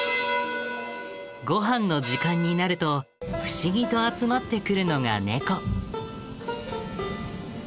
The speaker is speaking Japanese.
ごはんの時間になると不思議と集まってくるのがネコ。